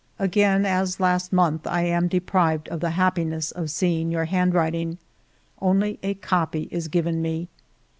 ... "Again, as last month, I am deprived of the happiness of seeing your handwriting ; only a copy is given me.